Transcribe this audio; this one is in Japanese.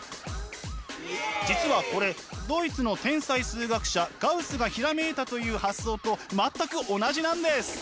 実はこれドイツの天才数学者ガウスがひらめいたという発想と全く同じなんです！